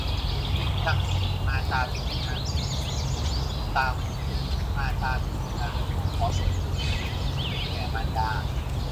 อิทัง เม มาตาปิตูนัง โหตุ สุขิตา โหนตุ มาตาปิตะโร ขอส่วนบุญนี้จงสำเร็จแก่มารดา